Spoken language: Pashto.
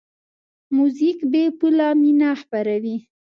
موزیک بېپوله مینه خپروي.